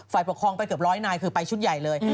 ฝ่ายประคองไปเกือบ๑๐๐นายคือไปชุดใหญ่เลย